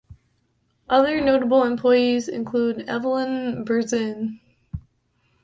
Other notable employees included Evelyn Berezin.